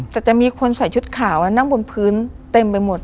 แต่จะมีคนใส่ชุดขาวนั่งบนพื้นเต็มไปหมด